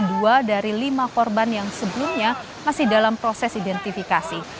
dua dari lima korban yang sebelumnya masih dalam proses identifikasi